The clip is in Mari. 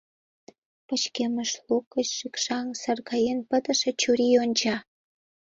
Пычкемыш лук гыч шикшаҥ саргаен пытыше чурий онча.